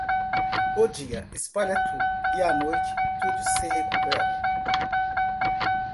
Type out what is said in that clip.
O dia, espalha tudo, e à noite, tudo se recupera.